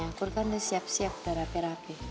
aku kan udah siap siap udah rapih rapih